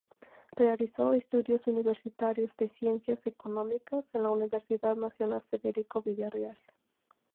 Realizó estudios universitarios de Ciencias Económicas en la Universidad Nacional Federico Villarreal.